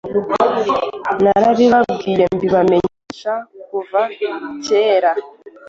narabibabwiye, mbibamenyesha kuva kera!